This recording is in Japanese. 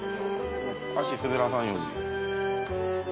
足滑らさんように。